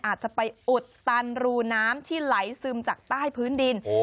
อาจจะไปอุดตันรูน้ำที่ไหลซึมจากใต้พื้นดิน